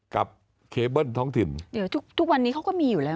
เคเบิ้ลท้องถิ่นเดี๋ยวทุกทุกวันนี้เขาก็มีอยู่แล้ว